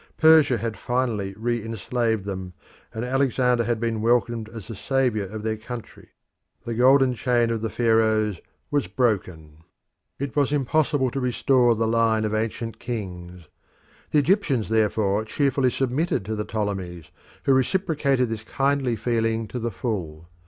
Persia had finally re enslaved them, and Alexander had been welcomed as the saviour of their country. The golden chain of the Pharaohs was broken. It was impossible to restore the line of ancient kings. The Egyptians therefore cheerfully submitted to the Ptolemies, who reciprocated this kindly feeling to the full.